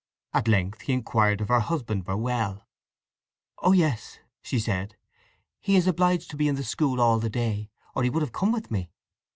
At length he inquired if her husband were well. "O yes," she said. "He is obliged to be in the school all the day, or he would have come with me.